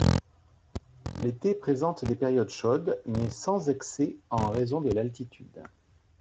L'été présente des périodes chaudes, mais sans excès en raison de l'altitude.